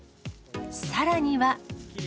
さらには。